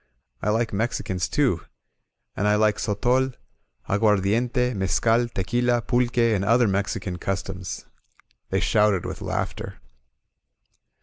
I like Mexicans too. And I like sotol^ aguardiente^ mescal, tequila, pulque, and other Mexican customs !" They shouted with laughter.